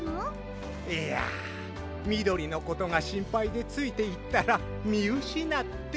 いやみどりのことがしんぱいでついていったらみうしなって。